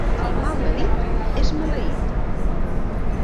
El mal de dit és maleït.